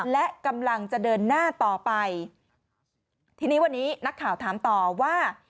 และกำลังจะเดินหน้าต่อไปทีนี้วันนี้นักข่าวถามต่อว่า